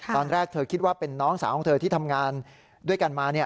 ตอนแรกเธอคิดว่าเป็นน้องสาวของเธอที่ทำงานด้วยกันมา